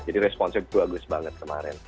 jadi responsnya bagus banget kemarin